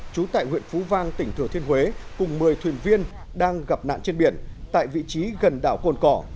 trú tại huyện phú vang tỉnh thừa thiên huế cùng một mươi thuyền viên đang gặp nạn trên biển tại vị trí gần đảo cồn cỏ